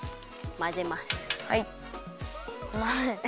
まぜます。